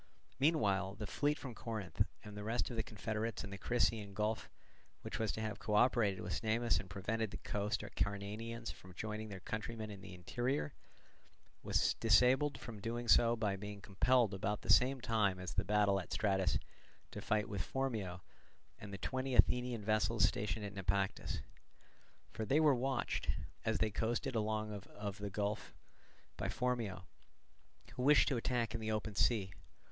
Meanwhile the fleet from Corinth and the rest of the confederates in the Crissaean Gulf, which was to have co operated with Cnemus and prevented the coast Acarnanians from joining their countrymen in the interior, was disabled from doing so by being compelled about the same time as the battle at Stratus to fight with Phormio and the twenty Athenian vessels stationed at Naupactus. For they were watched, as they coasted along out of the gulf, by Phormio, who wished to attack in the open sea.